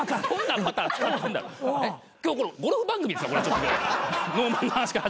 今日ゴルフ番組ですか？